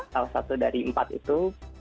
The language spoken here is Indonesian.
salah satu dari empat itu